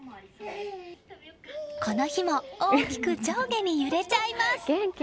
この日も大きく上下に揺れちゃいます。